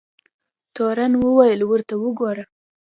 تورن وویل ورته وګوره.